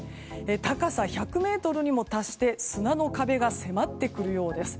高さ１００ｍにも達して砂の壁が迫ってくるようです。